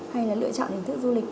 hay là lựa chọn hình thức du lịch